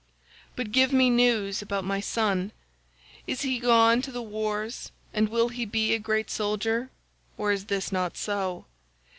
But give me news about my son; is he gone to the wars and will he be a great soldier, or is this not so?